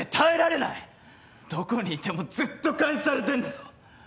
どこにいてもずっと監視されてんだぞ。